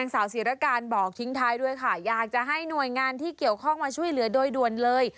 สาวศิรการบอกทิ้งท้ายด้วยค่ะอยากจะให้หน่วยงานที่เกี่ยวข้องมาช่วยเหลือโดยด่วนเลย